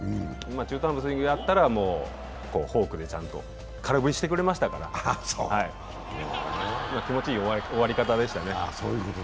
中途半端すぎがあったらフォークでちゃんと、空振りしてくれましたから、気持ちいい終わり方でしたね。